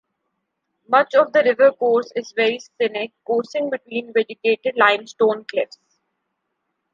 Much of the river's course is very scenic, coursing between vegetated limestone cliffs.